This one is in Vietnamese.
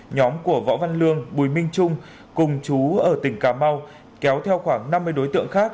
nhóm của võ văn lương bùi minh trung cùng chú ở tỉnh cà mau kéo theo khoảng năm mươi đối tượng khác